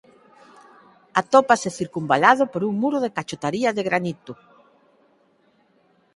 Atópase circunvalado por un muro de cachotaría de granito.